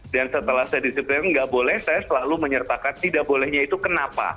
dan setelah saya disiplin gak boleh saya selalu menyertakan tidak bolehnya itu kenapa